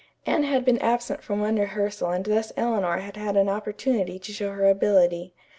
Anne had been absent from one rehearsal and thus Eleanor had had an opportunity to show her ability.